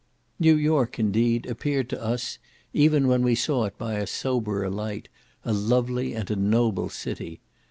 New York, indeed, appeared to us, even when we saw it by a soberer light, a lovely and a noble city.